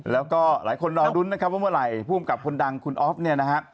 แล้วก็หลายคนรอลุ้นนะครับว่าเมื่อไหร่ผู้อำกับคนดังคุณออฟเนี่ยนะฮะ